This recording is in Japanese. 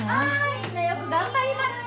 みんなよく頑張りました！